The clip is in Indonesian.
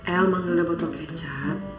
el memang ada botol kecap